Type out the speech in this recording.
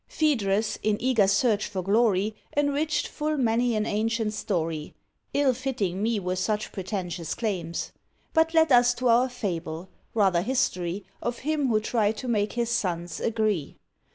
Phædrus, in eager search for glory, Enriched full many an ancient story; Ill fitting me were such pretentious claims. But let us to our fable rather history, Of him who tried to make his sons agree.